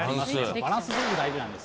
バランスすごく大事なんです